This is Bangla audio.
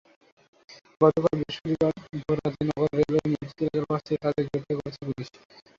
গতকাল বৃহস্পতিবার ভোররাতে নগরের রেলওয়ে মসজিদ এলাকার পাশ থেকে তাঁদের গ্রেপ্তার করেছে পুলিশ।